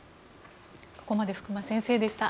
ここまで福間先生でした。